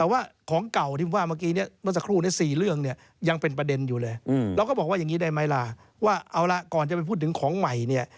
ว่าแบบเอาละก่อนจะไปพูดถึงของใหม่เนี่ย